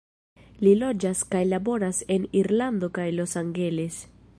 Li loĝas kaj laboras en Irlando kaj Los Angeles.